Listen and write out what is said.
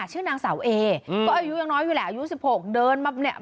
ชื่อนางสาวเออืมก็อายุยังน้อยอยู่แหละอายุสิบหกเดินมาเนี่ย